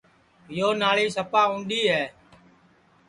یو ناݪی سپا اُںٚڈؔی ہے